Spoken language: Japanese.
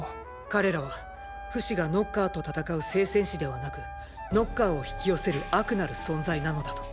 彼らはフシがノッカーと戦う聖戦士ではなくノッカーを引き寄せる悪なる存在なのだと。